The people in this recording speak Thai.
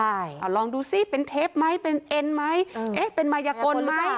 ใช่เอาลองดูซิเป็นเทปไหมเป็นเอ็นไหมเอ๊ะเป็นมายกลไหม